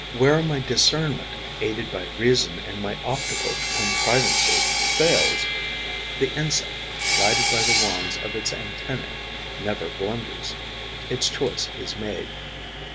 Where my discernment, aided by reason and my optical contrivances, fails, the insect, guided by the wands of its antennae, never blunders. Its choice is made.